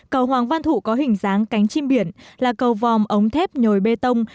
cầu hoàng văn thụ có hình dáng cánh chim biển là cầu vòm ống thép nhồi bê tông